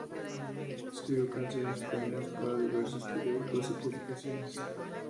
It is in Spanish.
Escribió canciones y poemas para diversos periódicos y publicaciones.